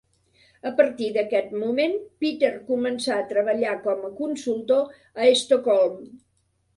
A partir d'aquest moment Peter començà a treballar com a consultor a Estocolm.